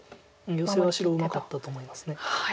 ヨセは白うまかったと思います。